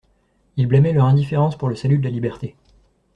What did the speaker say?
Il blâmait leur indifférence pour le salut de la liberté.